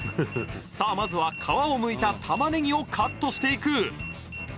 さあまずは皮をむいた玉ねぎをカットしていく